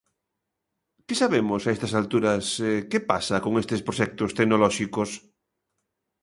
¿Que sabemos, a estas alturas, que pasa con estes proxectos tecnolóxicos?